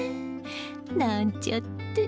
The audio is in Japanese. なんちゃって！